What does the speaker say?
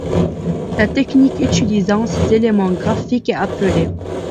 La technique utilisant ces éléments graphiques est appelée '.